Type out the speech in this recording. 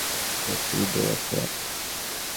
প্রচুর বই আছে।